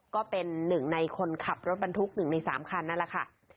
ก็เป็นหนึ่งในคนขับรถบรรทุก๑ใน๓คันนั่นแหละค่ะ